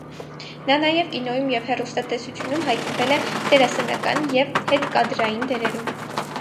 Նա նաև կինոյում և հեռուստատեսությունում հայտնվել է դերասանական և հետկադրային դերերում։